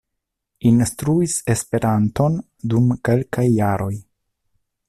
Instruis Esperanton dum kelkaj jaroj.